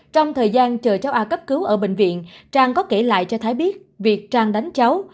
trong thời gian chờ cháu a cấp cứu ở bệnh viện trang có kể lại cho thái biết việc trang đánh cháu